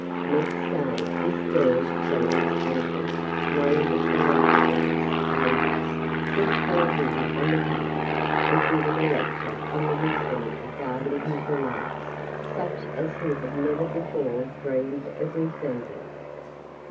Next day this girl friend's uncle, one of the philanthropist's agents, was called in on the carpet and given a lecture on the wisdom of guarding his remarks such as he had never before dreamed of receiving.